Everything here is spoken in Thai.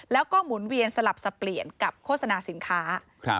แล้วก็หมุนเวียนสลับสับเปลี่ยนกับโฆษณาสินค้า